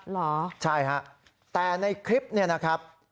เหรอใช่ฮะแต่ในคลิปเนี่ยนะครับ